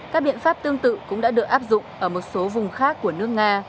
các biện pháp tương tự cũng đã được áp dụng ở một số vùng khác của nước nga